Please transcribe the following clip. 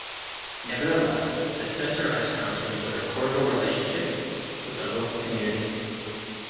Nevertheless, the centre has come to enjoy cordial relationships with the local community.